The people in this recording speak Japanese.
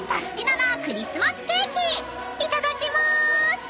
［いただきまーす］